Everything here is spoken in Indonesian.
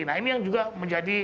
nah ini yang juga menjadi